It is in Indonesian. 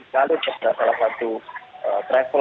terhadap salah satu travel